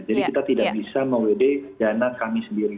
jadi kita tidak bisa me wd dana kami sendiri